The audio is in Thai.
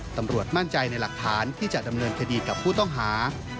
ตำรวจมั่นใจในหลักฐานที่จะดำเนินคดีกับผู้ต้องหา